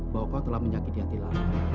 bahwa kau telah menyakiti hati lala